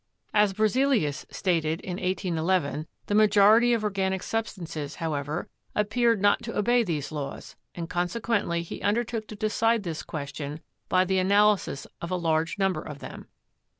As Berzelius stated in 181 1, the majority of organic substances, however, appeared not to obey these laws, and consequently he un dertook to decide this question by the analysis of a large number of them.